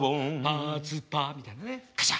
カシャ。